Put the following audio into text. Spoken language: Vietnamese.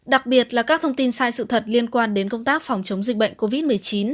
đặc biệt là các thông tin sai sự thật liên quan đến công tác phòng chống dịch bệnh covid một mươi chín